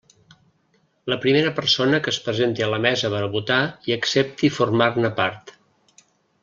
La primera persona que es presenti a la mesa per a votar i accepti formar-ne part.